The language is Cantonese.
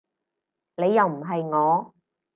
你又唔係我